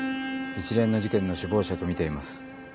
一連の事件の首謀者とみています。